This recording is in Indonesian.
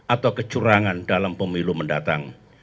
atau kecurangan dalam pemilu mendatang